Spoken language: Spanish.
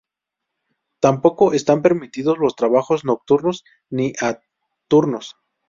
Tampoco están permitidos los trabajos nocturnos ni a turnos.